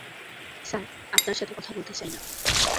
Sir, আপনার সাথে কথা বলতে চাই না।